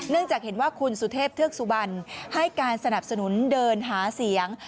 เนื่องจากเห็นว่าคุณสุทธิพรเทอะกรุกสุบัญให้การสนับสนุนเดินหาเสียง